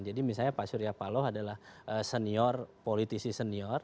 jadi misalnya pak surya paloh adalah senior politisi senior